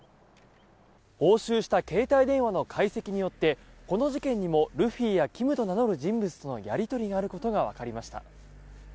押収した携帯電話の解析によってこの事件にもルフィやキムと名乗る人物とのやり取りがあることがわかりました。